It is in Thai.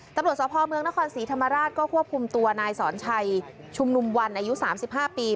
ตำรวจสภเมืองนครศรีธรรมราชก็ควบคุมตัวนายสอนชัยชุมนุมวันอายุ๓๕ปี